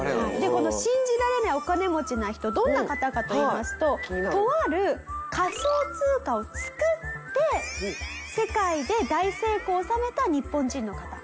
この信じられないお金持ちな人どんな方かといいますととある仮想通貨を作って世界で大成功を収めた日本人の方。